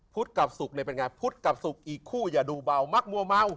พุทธกับศุกร์เป็นยังไงพุทธกับศุกร์อีกคู่อย่าดูเบามักมั่วเมา